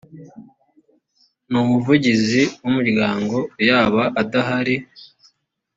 n umuvugizi w umuryango yaba adahari